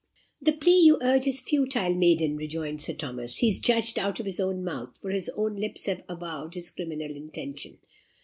"The plea you urge is futile, maiden," rejoined Sir Thomas; "he is judged out of his own mouth, for his own lips have avowed his criminal intention."